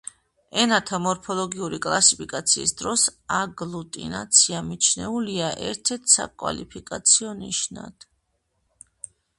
ენათა მორფოლოგიური კლასიფიკაციის დროს აგლუტინაცია მიჩნეულია ერთ-ერთ საკლასიფიკაციო ნიშნად.